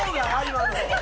今の。